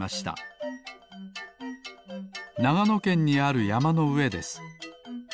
ながのけんにあるやまのうえです。